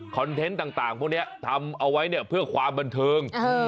เทนต์ต่างพวกนี้ทำเอาไว้เนี่ยเพื่อความบันเทิง